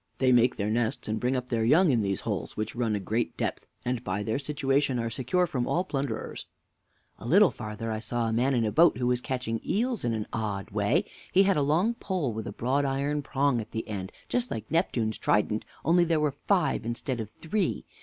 They make their nests and bring up their young in these holes, which run a great depth, and by their situation are secure from all plunderers. W. A little farther I saw a man in a boat, who was catching eels in an odd way. He had a long pole with broad iron prongs at the end, just like Neptune's trident, only there were five instead of three.